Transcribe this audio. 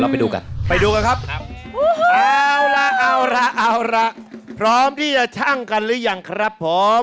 ไปดูกันครับเอาละพร้อมที่จะชั่งกันหรือยังครับผม